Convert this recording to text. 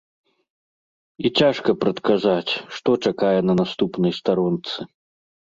І цяжка прадказаць, што чакае на наступнай старонцы.